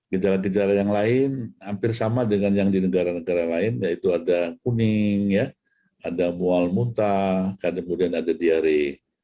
gejala gejala yang lain hampir sama dengan yang di negara negara lain yaitu ada kuning ada mual muntah kemudian ada diare